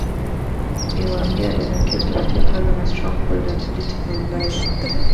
They were feared and accused of still having a strong hold on political life.